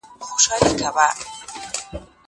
زه به سبا سړو ته خواړه ورکړم!؟